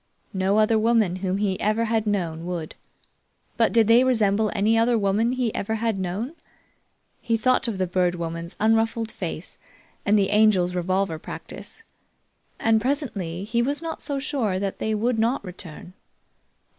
No other woman whom he ever had known would. But did they resemble any other women he ever had known? He thought of the Bird Woman's unruffled face and the Angel's revolver practice, and presently he was not so sure that they would not return.